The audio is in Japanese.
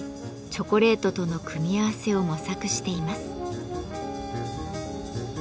チョコレートとの組み合わせを模索しています。